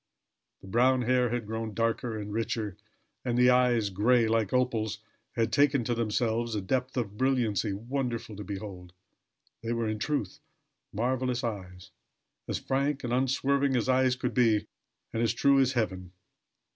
The brown hair had grown darker and richer, and the eyes, gray like opals, had taken to themselves a depth of brilliancy wonderful to behold. They were, in truth, marvelous eyes; as frank and unswerving as eyes could be, and as true as heaven.